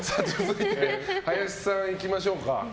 林さん、いきましょうか。